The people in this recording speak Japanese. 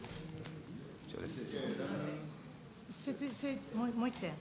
以上です。